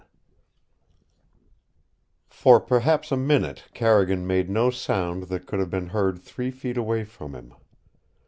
IX For perhaps a minute Carrigan made no sound that could have been heard three feet away from him.